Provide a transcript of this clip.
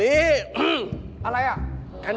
เกิดอะไรขึ้น